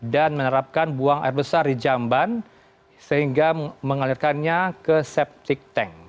dan menerapkan buang air besar di jamban sehingga mengalirkannya ke septic tank